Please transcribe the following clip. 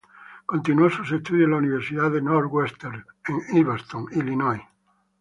Continuó sus estudios en la Universidad de Northwestern en Evanston, Illinois.